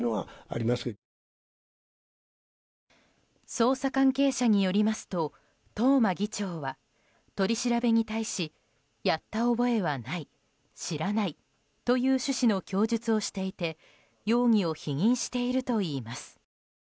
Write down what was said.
捜査関係者によりますと東間議長は取り調べに対しやった覚えはない知らないという趣旨の供述をしていて容疑を否認しているといいます。